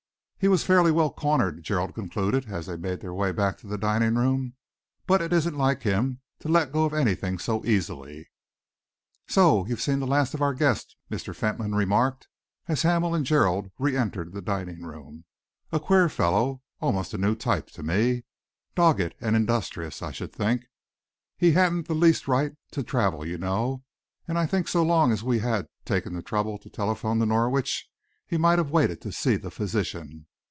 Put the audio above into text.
"He was fairly well cornered," Gerald concluded, as they made their way back to the dining room, "but it isn't like him to let go of anything so easily." "So you've seen the last of our guest," Mr. Fentolin remarked, as Hamel and Gerald re entered the dining room. "A queer fellow almost a new type to me. Dogged and industrious, I should think. He hadn't the least right to travel, you know, and I think so long as we had taken the trouble to telephone to Norwich, he might have waited to see the physician.